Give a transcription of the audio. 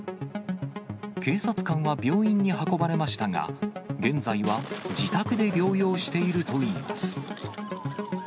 警察官は病院に運ばれましたが、現在は自宅で療養しているといいます。